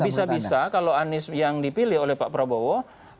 bisa bisa kalau anies yang dipilih oleh pak prabowo